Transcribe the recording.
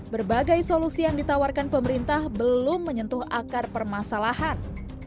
berbagai solusi yang ditawarkan pemerintah belum menyentuh akar permasalahan